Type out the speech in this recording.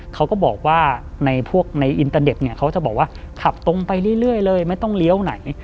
เขาก็บอกว่าในพวกในอินเตอร์เน็ตเนี่ยเขาจะบอกว่าขับตรงไปเรื่อยเลยไม่ต้องเลี้ยวไหน